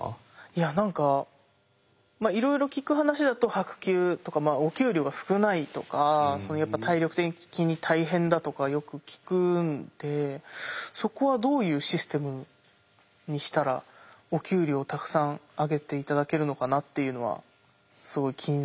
いや何かいろいろ聞く話だと薄給お給料が少ないとかやっぱ体力的に大変だとかよく聞くんでそこはどういうシステムにしたらお給料たくさんあげて頂けるのかなっていうのはすごい気になりますね。